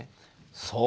そう。